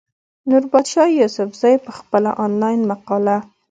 نوربادشاه يوسفزۍ پۀ خپله انلاين مقاله